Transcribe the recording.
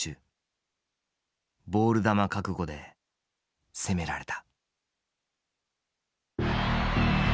ボール球覚悟で攻められた。